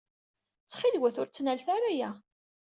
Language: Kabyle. Ttxil-wet ur ttnalet ara aya.